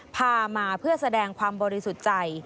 พามาเพื่อแสดงความบริสุทธิ์ใจ